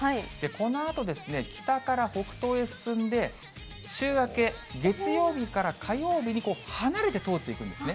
このあと、北から北東へ進んで、週明け、月曜日から火曜日に離れて通っていくんですね。